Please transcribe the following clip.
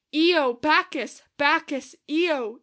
Io! Bacchus! Bacchus! Io!